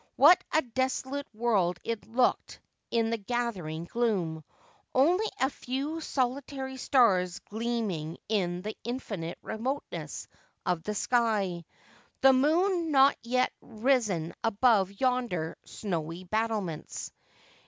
What a desolate world it looked in the gathering gloom !— only a few solitary stars gleaming in the infinite remoteness of the sky, the moon not yet rison above yonder snowy battlements.